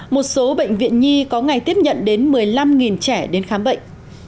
một số bệnh viện nhi có ngày tiếp nhận đến một mươi năm trẻ đến khám bệnh